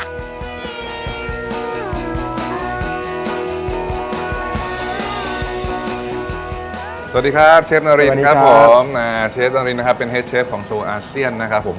สวัสดีครับเชฟนารินครับผมเชฟนารินนะครับเป็นเฮดเชฟของโซอาเซียนนะครับผม